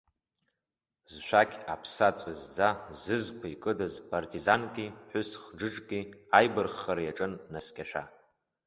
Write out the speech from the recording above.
Зшәақь аԥса ҵәызӡа зызқәа икыдыз партизанки ԥҳәыс хџыџки аибарххара иаҿын наскьашәа.